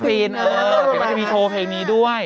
เออมันจะมีโชว์เพลงนี้ด้วย